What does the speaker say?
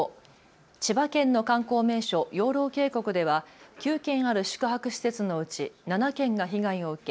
千葉県の観光名所、養老渓谷では９軒ある宿泊施設のうち７件が被害を受け